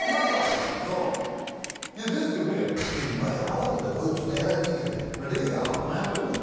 そういやですよねで今山形でこいつねえらい人気でレギュラー８本やってんのよ